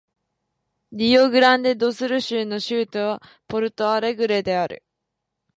リオグランデ・ド・スル州の州都はポルト・アレグレである